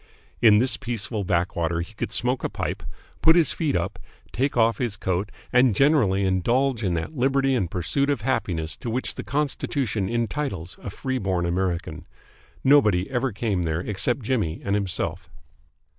In this peaceful backwater he could smoke a pipe, put his feet up, take off his coat, and generally indulge in that liberty and pursuit of happiness to which the Constitution entitles a free born American. Nobody ever came there except Jimmy and himself.